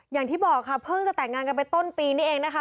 อย่างที่บอกค่ะเพิ่งจะแต่งงานกันไปต้นปีนี้เองนะคะ